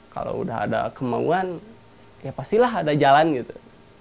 kalau udah ada kemauan ya pastilah ada jalan gitu